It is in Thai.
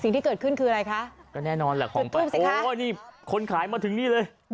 สิ่งที่เกิดขึ้นคืออะไรคะจุดทูปสิคะโอ้วนี่คนขายมาถึงนี่เลย